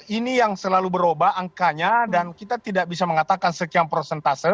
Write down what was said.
ini yang selalu berubah angkanya dan kita tidak bisa mengatakan sekian prosentase